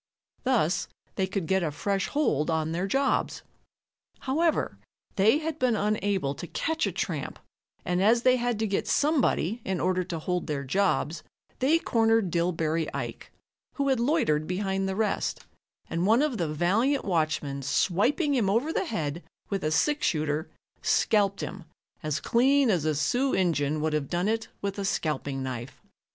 Thus they could get a fresh hold on their jobs. However, they had been unable to catch a tramp, and as they had to get somebody in order to hold their jobs, they cornered Dillbery Ike, who had loitered behind the rest, and one of the valiant watchmen swiping him over the head with a six shooter, scalped him as clean as a Sioux Injun would have done it with a scalping knife.